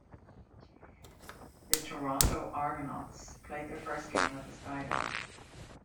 The Toronto Argonauts played their first game at the SkyDome.